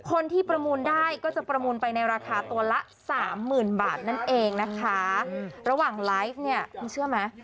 คนที่ประมูลได้ก็จะประมูลไปในราคาตัวละสามหมื่นบาทนั่นเองนะคะระหว่างไลฟ์เนี่ยคุณเชื่อไหม